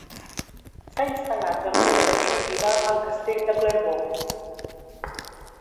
S'ha instal·lat de manera definitiva al castell de Clervaux.